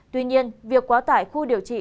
tuy nhiên việc quá tải khu điều trị